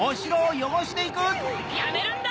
やめるんだ！